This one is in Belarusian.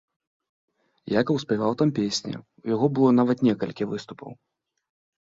Якаў спяваў там песні, у яго было нават некалькі выступаў.